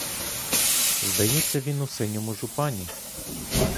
Здається, він у синьому жупані?